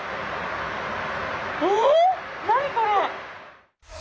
えっ何これ？